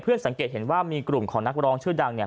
สังเกตเห็นว่ามีกลุ่มของนักร้องชื่อดังเนี่ย